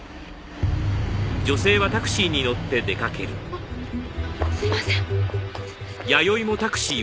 あっすいません。